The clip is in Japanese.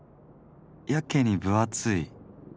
やけに分厚い。